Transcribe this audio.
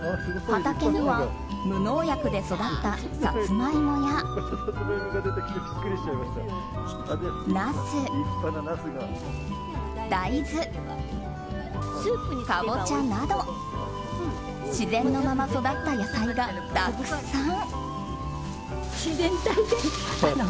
畑には無農薬で育ったサツマイモやナス大豆、カボチャなど自然のまま育った野菜がたくさん。